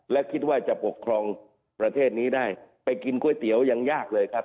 และคิดว่าจะปกครองประเทศนี้ได้ไปกินก๋วยเตี๋ยวยังยากเลยครับ